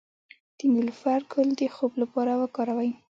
د نیلوفر ګل د خوب لپاره وکاروئ